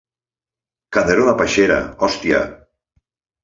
Que no era una peixera, hòstia!